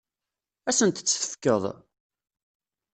Ad asent-tt-tefkeḍ?